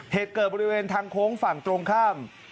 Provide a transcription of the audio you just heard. เหตุเกิดบริเวณทางโค้งฝั่งตรงข้าม